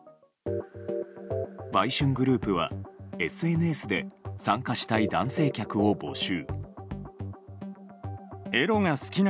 売春グループは、ＳＮＳで参加したい男性客を募集。